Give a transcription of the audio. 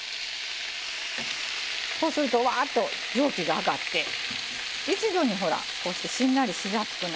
こうするとうわっと蒸気が上がって一度にほらこうしてしんなりしやすくなるのね。